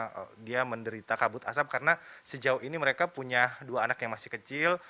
karena dia menderita kabut asap karena sejauh ini mereka punya dua anak yang masih kecil